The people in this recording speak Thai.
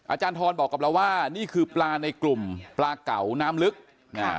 อาจารย์ทรบอกกับเราว่านี่คือปลาในกลุ่มปลาเก่าน้ำลึกอ่า